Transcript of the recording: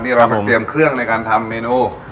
นี่เราไปเตรียมเครื่องในการทำเมนู